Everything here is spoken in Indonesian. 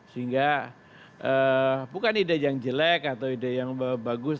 sehingga bukan ide yang jelek atau ide yang bagus